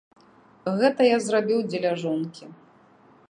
Гэта я зрабіў дзеля жонкі.